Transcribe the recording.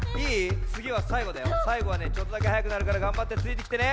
さいごはちょっとだけはやくなるからがんばってついてきてね。